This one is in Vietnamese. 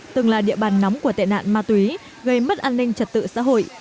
từng là địa bàn nóng của tệ nạn ma túy gây mất an ninh trật tự xã hội